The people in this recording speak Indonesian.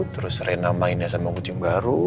terus rena mainnya sama kucing baru